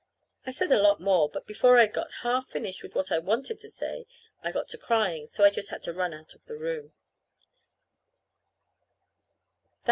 I said a lot more, but before I'd got half finished with what I wanted to say, I got to crying, so I just had to run out of the room.